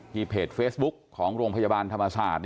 เพจเฟซบุ๊คของโรงพยาบาลธรรมศาสตร์